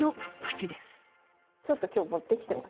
ちょっと今日持ってきてます。